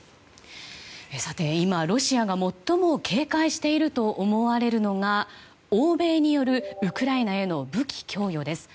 今、ロシアが最も警戒していると思われるのが欧米によるウクライナへの武器供与です。